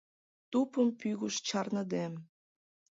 тупым пӱгыш чарныде